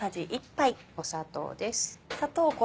砂糖です。